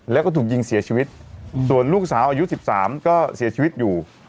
แล้วก็ถูกยิงเสียชีวิตส่วนลูกสาวอายุ๑๓ก็เสียชีวิตอยู่